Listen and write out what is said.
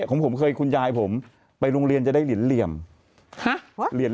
ของผมเคยคุณยายผมไปโรงเรียนจะได้เหรียญเหลี่ยมเหรียญ